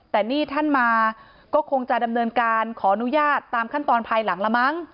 แต่นี่ท่านมาก็คงจะดำเนินการขออนุญาตตามขั้นตอนภายหลังละมั้ง